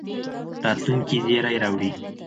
راتلونکي زېری راوړي.